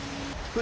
船